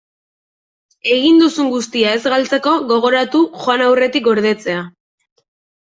Egin duzun guztia ez galtzeko, gogoratu joan aurretik gordetzea.